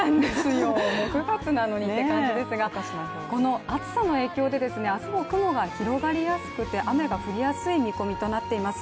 もう９月なのにって感じですが、この暑さの影響で明日も雲が広がりやすくて雨が降りやすい見込みとなっています。